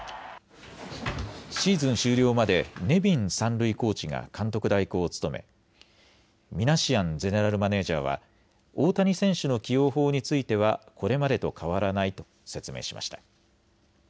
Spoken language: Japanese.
シーズン終了までネビン三塁コーチが監督代行を務めミナシアンゼネラルマネージャーは大谷選手の起用法についてはこれまでと変わらないと説明しました。